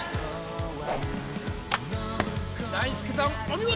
大輔さん、お見事。